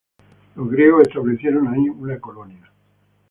Los griegos establecieron ahí una colonia.